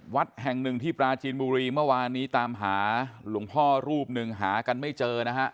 วัดแห่งหนึ่งที่ปราจีนบุรีเมื่อวานนี้ตามหาหลวงพ่อรูปหนึ่งหากันไม่เจอนะฮะ